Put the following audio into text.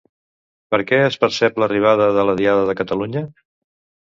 Per què es percep l'arribada de la Diada de Catalunya?